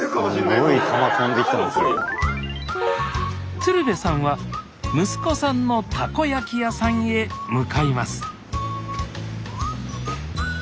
鶴瓶さんは息子さんのたこやき屋さんへ向かいます